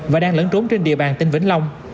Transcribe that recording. và đang lẫn trốn trên địa bàn tỉnh vĩnh long